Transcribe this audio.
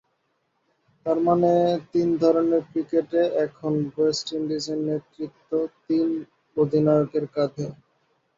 তার মানে, তিন ধরনের ক্রিকেটে এখন ওয়েস্ট ইন্ডিজের নেতৃত্ব তিন অধিনায়কের কাঁধে।